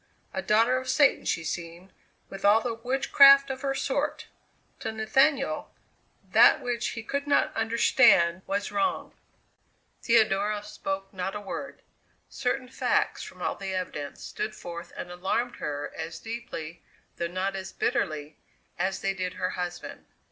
A daughter of Satan she seemed, with all the witchcraft of her sort." To Nathaniel, that which he could not understand, was wrong. Theodora spoke not a word. Certain facts from all the evidence stood forth and alarmed her as deeply though not as bitterly as they did her husband.